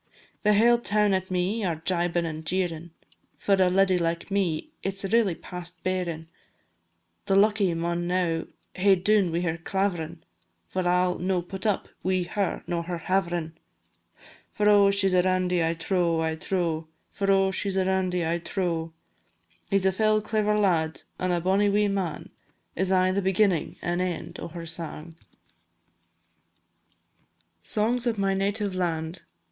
The hale toun at me are jibin' and jeerin', For a leddy like me it 's really past bearin'; The lucky maun now hae dune wi' her claverin', For I 'll no put up wi' her nor her haverin'. For oh! she 's a randy, I trow, I trow, For oh! she 's a randy, I trow, I trow; "He 's a fell clever lad, an' a bonny wee man," Is aye the beginnin' an' end o' her sang. SONGS OF MY NATIVE LAND.